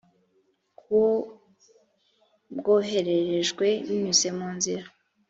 ku wo bwohererejwe binyuze munzira